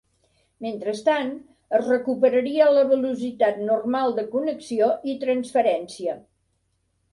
Mentrestant, es recuperaria la velocitat normal de connexió i transferència.